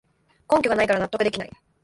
根拠がないから納得できない